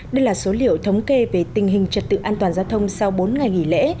đây là số liệu thống kê về tình hình trật tự an toàn giao thông sau bốn ngày nghỉ lễ